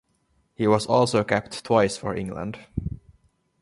He was also capped twice for England.